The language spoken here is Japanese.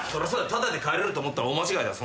タダで帰れると思ったら大間違いだよ